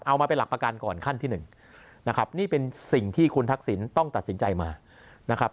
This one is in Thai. เอามาเป็นหลักประกันก่อนขั้นที่หนึ่งนะครับนี่เป็นสิ่งที่คุณทักษิณต้องตัดสินใจมานะครับ